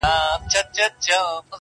وږی نس دي له وښو څخه محروم دی -